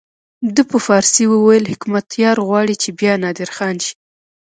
ده په فارسي وویل حکمتیار غواړي چې بیا نادرخان شي.